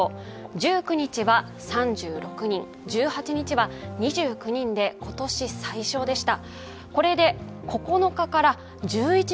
１９日は３６人、１８日は２９人で今年最少でした。